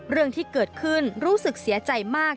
เรื่องที่เกิดขึ้นรู้สึกเสียใจมาก